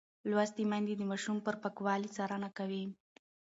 لوستې میندې د ماشوم پر پاکوالي څارنه کوي.